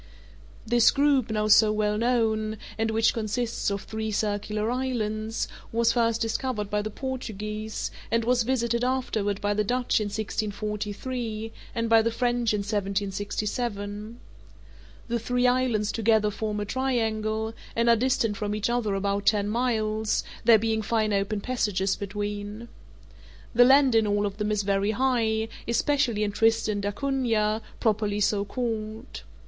This group, now so well known, and which consists of three circular islands, was first discovered by the Portuguese, and was visited afterward by the Dutch in 1643, and by the French in 1767. The three islands together form a triangle, and are distant from each other about ten miles, there being fine open passages between. The land in all of them is very high, especially in Tristan d'Acunha, properly so called.